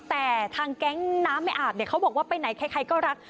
แต่ทางแก๊งน้ำไม่อาบเนี่ยเขาบอกว่าไปไหนใครก็รัก